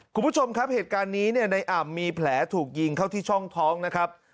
คุณผู้ชมครับเหตุการณ์นี้เนี่ยในอ่ำมีแผลถูกยิงเข้าที่ช่องท้องนะครับ